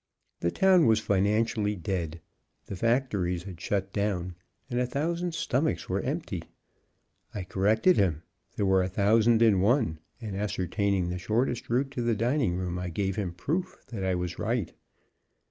The town was financially dead, the factories had shut down, and a thousand stomachs were empty. I corrected him; there were a thousand and one, and, ascertaining the shortest route to the dining room, I gave him proof that I was right.